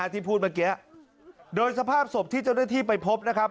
ที่พูดเมื่อกี้โดยสภาพศพที่เจ้าหน้าที่ไปพบนะครับ